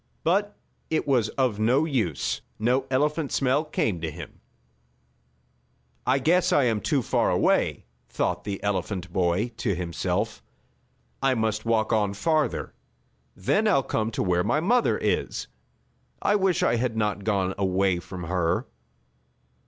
But it was of no use. No elephant smell came to him. "I guess I am too far away," thought the elephant boy to himself. "I must walk on farther. Then I'll come to where my mother is. I wish I had not gone away from her."